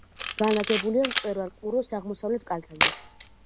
განლაგებულია მწვერვალ ყუროს აღმოსავლეთ კალთაზე.